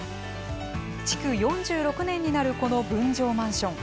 築４６年になるこの分譲マンション。